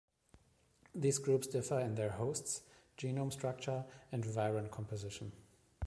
These groups differ in their hosts, genome structure, and viron composition.